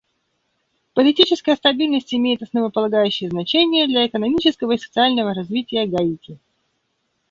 Политическая стабильность имеет основополагающее значение для экономического и социального развития Гаити.